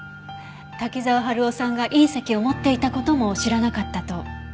滝沢春夫さんが隕石を持っていた事も知らなかったと。